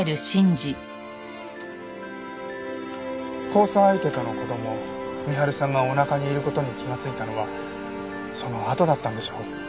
交際相手との子供深春さんがおなかにいる事に気がついたのはそのあとだったんでしょう。